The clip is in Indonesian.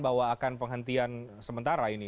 bahwa akan penghentian sementara ini